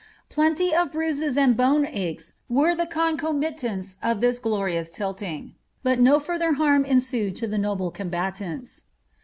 Plenty of ^ bruises and bone aches were the concomitants of this glorious tilting, but no further harm ensued to the noble combatants.